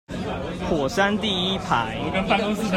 火山第一排